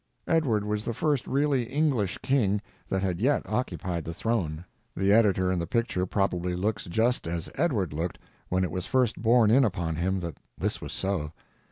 Edward was the first really English king that had yet occupied the throne. The editor in the picture probably looks just as Edward looked when it was first borne in upon him that this was so.